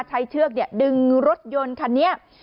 ใช้เชือกเนี่ยดึงรถยนต์ค่ะเนี่ย